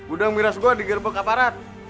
udang miras gua digerebek aparat